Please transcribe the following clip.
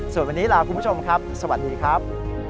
ส่วนวันนี้ลาคุณผู้ชมครับสวัสดีครับ